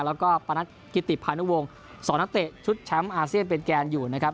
แล้วก็กิติพานุวงศ์๒นักเตะชุดแชมป์อาเซียนเป็นแกนอยู่นะครับ